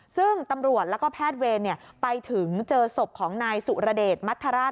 ซึ่งตำรวจแล้วก็แพทย์เวรไปถึงเจอศพของนายสุรเดชมัฐราช